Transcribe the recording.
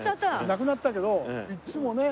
なくなったけどいつもね。